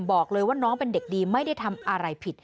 บอกเลยว่าน้องเป็นเด็กดีไม่ได้ทำอะไรผิด